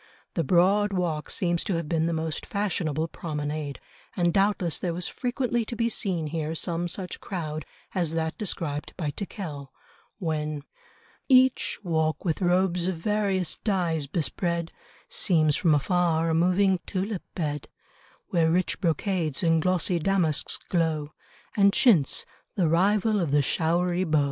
The Broad Walk seems to have been the most fashionable promenade, and doubtless there was frequently to be seen here some such crowd as that described by Tickell, when "Each walk with robes of various dyes bespread Seems from afar a moving tulip bed, Where rich brocades and glossy damasks glow, And chintz, the rival of the showery bow."